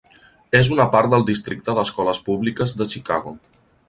És una part del districte d'escoles públiques de Chicago.